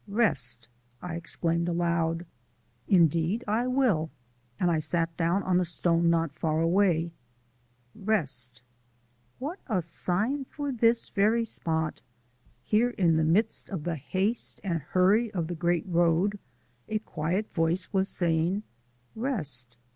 "Rest!" I exclaimed aloud. "Indeed I will," and I sat down on a stone not far away. "Rest!" What a sign for this very spot! Here in the midst of the haste and hurry of the Great Road a quiet voice was saying, "Rest."